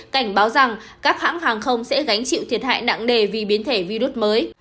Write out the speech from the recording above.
cảnh báo rằng các hãng hàng không sẽ gánh chịu thiệt hại nặng nề vì biến thể virus mới